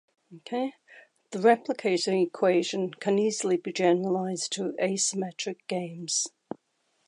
The replicator equation can easily be generalized to asymmetric games.